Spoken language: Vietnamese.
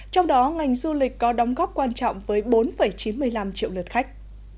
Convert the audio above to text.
trong đó ngành du lịch có đóng góp quan trọng với bốn chín mươi năm triệu lượt khách